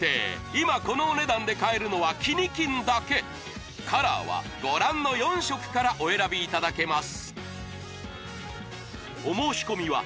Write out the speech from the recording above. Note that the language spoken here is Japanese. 今このお値段で買えるのは「キニ金」だけカラーはご覧の４色からお選びいただけます